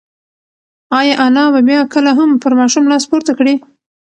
ایا انا به بیا کله هم پر ماشوم لاس پورته کړي؟